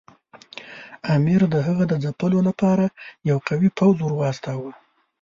امیر د هغه د ځپلو لپاره یو قوي پوځ ورواستاوه.